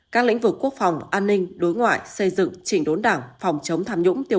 các lĩnh vực quốc phòng an ninh đối ngoại xây dựng chỉnh đốn đảng phòng chống tham nhũng tiêu